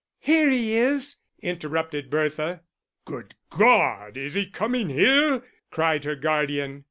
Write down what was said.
"Here he is!" interrupted Bertha. "Good God, is he coming here?" cried her guardian.